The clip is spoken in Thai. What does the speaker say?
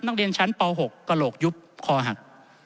นักเรียนชั้นป๖กระโหลกยุบคอหัก